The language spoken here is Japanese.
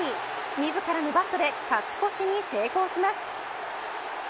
自らのバットで勝ち越しに成功します。